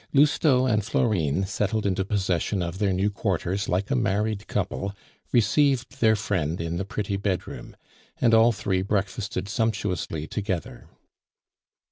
Lousteau and Florine, settled into possession of their new quarters like a married couple, received their friend in the pretty bedroom, and all three breakfasted sumptuously together.